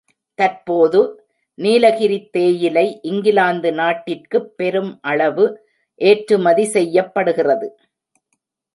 தற்போது, நீலகிரித் தேயிலை இங்கிலாந்து நாட்டிற்குப் பெரும் அளவு ஏற்றுமதி செய்யப்படுகிறது.